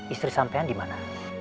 istri sampean dimana